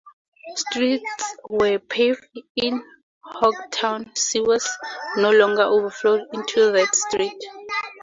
Streets were paved in hog town, sewers no longer overflowed into the dirt streets.